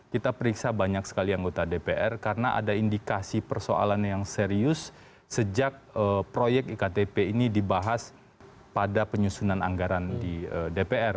kita periksa banyak sekali anggota dpr karena ada indikasi persoalan yang serius sejak proyek iktp ini dibahas pada penyusunan anggaran di dpr